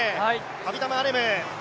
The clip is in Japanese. ハビタム・アレム。